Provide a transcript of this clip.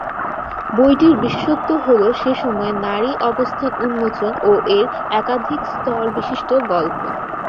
বইটির বিশেষত্ব হল সে সময়ে নারী অবস্থান উন্মোচন ও এর একাধিক-স্তর বিশিষ্ট গল্প।